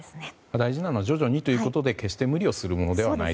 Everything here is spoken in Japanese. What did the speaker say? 大事なのは徐々にということで決して無理をしないと。